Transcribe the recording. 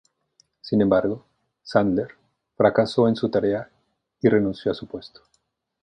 Sin embargo, Sandler fracasó en su tarea y renunció a su puesto.